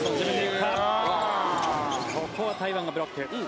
ここは台湾がブロック。